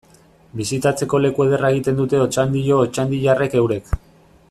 Bisitatzeko leku ederra egiten dute Otxandio otxandiarrek eurek.